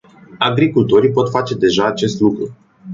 Agricultorii pot face deja acest lucru.